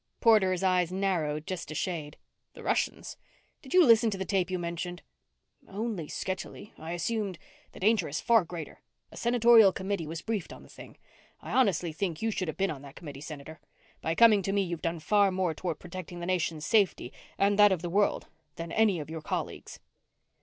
Porter's eyes narrowed just a shade. "The Russians? Did you listen to the tape you mentioned?" "Only sketchily. I assumed " "The danger is far greater. A Senatorial committee was briefed on the thing. I honestly think you should have been on that committee, Senator. By coming to me you've done far more toward protecting the nation's safety and that of the world than have any of your colleagues."